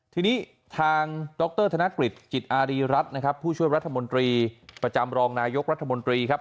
ทีนี้ทางดรธนกฤษจิตอารีรัฐนะครับผู้ช่วยรัฐมนตรีประจำรองนายกรัฐมนตรีครับ